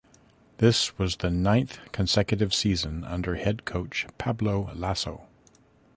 This was the ninth consecutive season under head coach Pablo Laso.